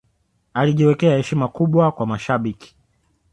alijiwekea heshima kubwa kwa mashabiki